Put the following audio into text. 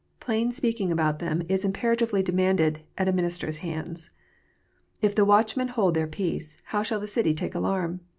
Plain speaking about them is 292 KNOTS UNTIED. imperatively demanded at a minister s hands. If the watchmen hold their peace, how shall the city take alarm?